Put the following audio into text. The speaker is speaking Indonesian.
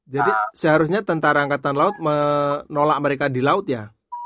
jadi seharusnya tentara angkatan laut menolak mereka di laut ya